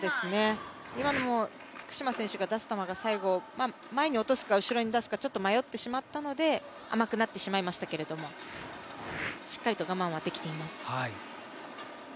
今のも福島選手が出す球が最後、前に出すか後ろに出すかちょっと迷ってしまったので甘くなってしまいましたがしっかりと我慢はできています。